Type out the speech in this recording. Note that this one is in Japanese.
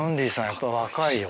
やっぱ若いよ。